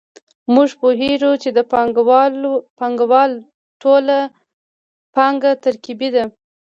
موږ پوهېږو چې د پانګوال ټوله پانګه ترکیبي ده